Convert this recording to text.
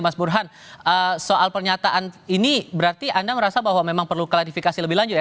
mas burhan soal pernyataan ini berarti anda merasa bahwa memang perlu klarifikasi lebih lanjut ya